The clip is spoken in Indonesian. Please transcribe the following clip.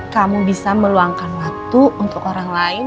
kamu bisa meluangkan waktu untuk orang lain